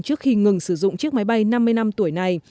trước khi ngừng sử dụng chiếc máy bay năm mươi năm tuổi này